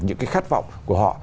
những cái khát vọng của họ